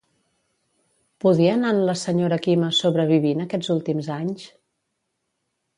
Podia anant la senyora Quima sobrevivint aquests últims anys?